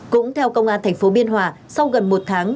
cũng theo công an tp biên hòa sau gần một tháng